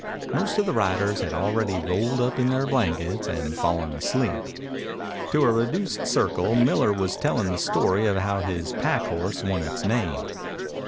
Most of the riders had already rolled up in their blankets and fallen asleep. To a reduced circle Miller was telling the story of how his pack horse won its name.